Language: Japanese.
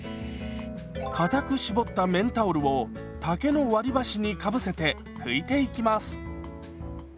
かたく絞った綿タオルを竹の割り箸にかぶせて拭いていきます。